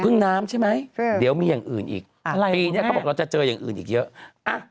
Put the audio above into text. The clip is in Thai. น้ำใช่ไหมเดี๋ยวมีอย่างอื่นอีกปีนี้เขาบอกเราจะเจออย่างอื่นอีกเยอะ